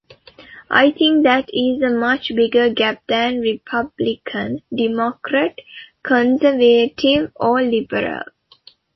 I think that is a much bigger gap than Republican, Democrat, conservative, or liberal.